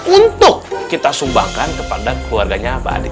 untuk kita sumbangkan kepada keluarganya mbak adit